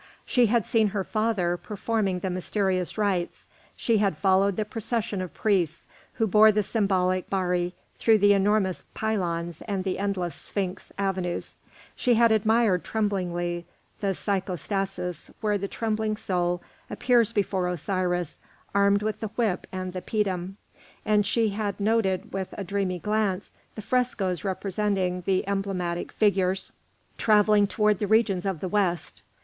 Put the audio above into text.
She had seen her father performing the mysterious rites; she had followed the procession of priests who bore the symbolic bari through the enormous pylons and the endless sphinx avenues; she had admired tremblingly the psychostasis where the trembling soul appears before Osiris armed with the whip and the pedum, and she had noted with a dreamy glance the frescoes representing the emblematic figures travelling towards the regions of the West.